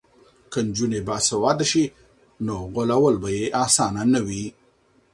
که نجونې باسواده شي نو غولول به یې اسانه نه وي.